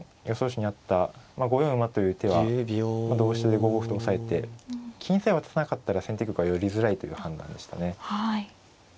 手にあった５四馬という手は同飛車で５五歩と押さえて金さえ渡さなかったら先手玉は寄りづらいという判断でしたね。